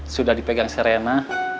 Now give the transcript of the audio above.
sudah dipegang serena